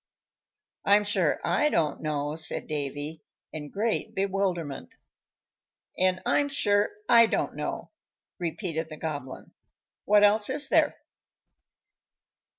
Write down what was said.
"I'm sure I don't know," said Davy, in great bewilderment. "And I'm sure I don't know," repeated the Goblin. "What else is there?"